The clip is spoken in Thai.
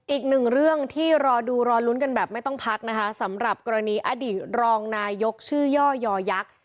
อีกหนึ่งเรื่องที่รอดูรอลุ้นกันแบบไม่ต้องพักนะคะสำหรับกรณีอดีตรองนายกชื่อย่อยอยักษ์